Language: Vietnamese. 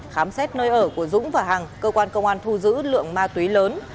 khám xét nơi ở của dũng và hằng cơ quan công an thu giữ lượng ma túy lớn